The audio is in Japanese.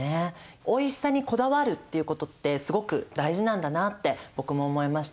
おいしさにこだわるということってすごく大事なんだなって僕も思いました。